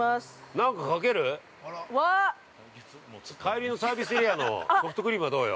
◆なんかかける？帰りのサービスエリアのソフトクリームはどうよ？